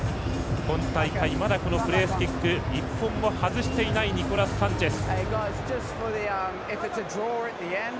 今大会、まだプレースキック１本も、外していないニコラス・サンチェス。